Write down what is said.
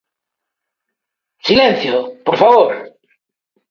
¡Silencio!, por favor.